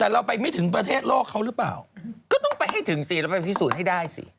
แต่เราไปไม่ถึงประเทศโลกเขาหรือเปล่าก็ต้องไปให้ถึงสิเราไปพิสูจน์ให้ได้สิ